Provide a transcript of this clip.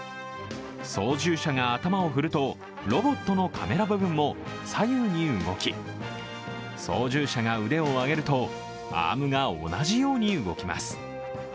操縦者が頭を振るとロボットのカメラ部分も左右に動き操縦者が腕を上げるとアームが同じように動きます。